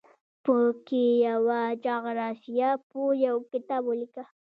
په کې یوه جغرافیه پوه یو کتاب ولیکه.